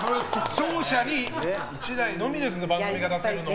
勝者に１台のみですから番組が出せるのは。